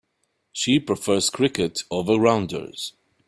She prefers cricket over rounders.